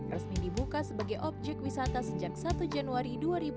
resmi dibuka sebagai objek wisata sejak satu januari dua ribu dua puluh